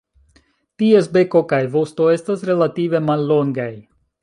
Ties beko kaj vosto estas relative mallongaj.